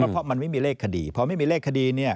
เพราะมันไม่มีเลขคดีพอไม่มีเลขคดีเนี่ย